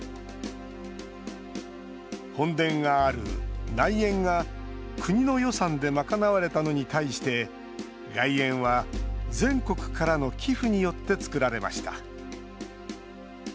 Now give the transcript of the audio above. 本殿がある内苑が国の予算で賄われたのに対して外苑は全国からの寄付によって造られました。